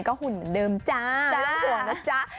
ก็หุ่นเหมือนเดิมจ้าไม่ต้องห่วงนะจ๊ะ